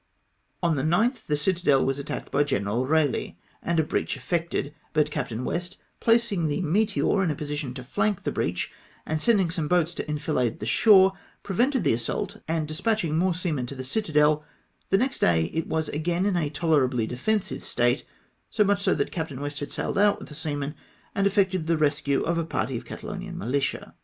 On the 9th the citadel was attacked by General EeiUe, and a breach effected ; but Captain West, placing the Meteor in a position to flank the breach, and send ing some boats to enfilade the shore, prevented the assault, and despatching more seamen to the citadel, the next day it was again in a tolerably defensive state, so nnich so that Captain West had salhed out witli the seamen and effected the rescue of a party of Cataloman militia.